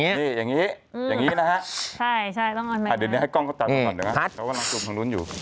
ทำอย่างนี้นะฮะงั้นแหละครับพัดอยู่